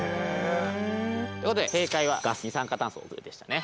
ということで正解はガス二酸化炭素ということでしたね。